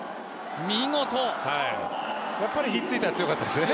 やっぱりひっついたら強かったですね。